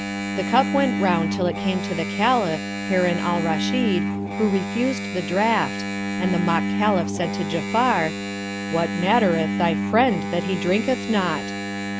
The cup went round till it came to the Caliph, Harun al Rashid, who refused the draught, and the mock Caliph said to Ja'afar, "What mattereth thy friend that he drinketh not?"